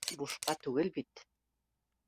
Бушҡа түгел бит